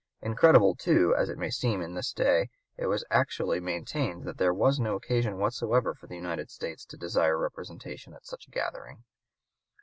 Incredible, too, as it may seem at this day it was actually maintained that there was no occasion whatsoever for the United States to desire representation at such a gathering.